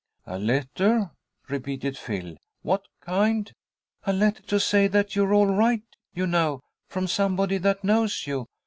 "A letter," repeated Phil. "What kind?" "A letter to say that you're all right, you know, from somebody that knows you.